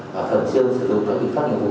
và thẩm chương sẽ đối thoại những pháp nghiệp vụ